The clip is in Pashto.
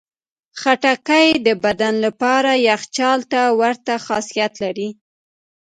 خټکی د بدن لپاره یخچال ته ورته خاصیت لري.